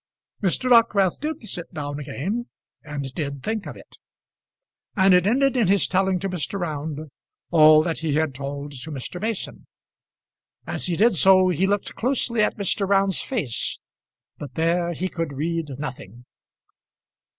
Mr. Dockwrath did sit down again, and did think of it; and it ended in his telling to Mr. Round all that he had told to Mr. Mason. As he did so, he looked closely at Mr. Round's face, but there he could read nothing.